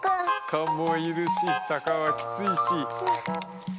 蚊もいるし坂はキツいし。